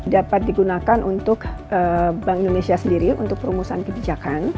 dapat digunakan untuk bank indonesia sendiri untuk perumusan kebijakan